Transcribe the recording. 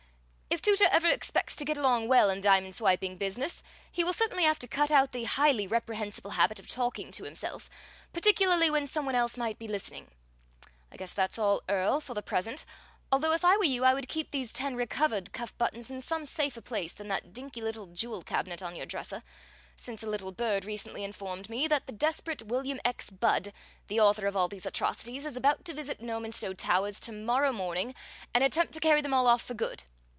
If Tooter ever expects to get along well in the diamond swiping business, he will certainly have to cut out the highly reprehensible habit of talking to himself, particularly when somebody else might be listening. I guess that's all, Earl, for the present, although if I were you I would keep these ten recovered cuff buttons in some safer place than that dinky little jewel cabinet on your dresser, since a little bird recently informed me that the desperate William X. Budd, the author of all these atrocities, is about to visit Normanstow Towers to morrow morning, and attempt to carry them all off for good.